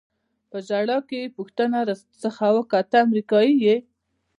په ژړا کې یې پوښتنه را څخه وکړه: ته امریکایي یې؟